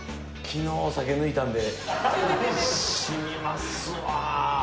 昨日お酒抜いたんでしみますわ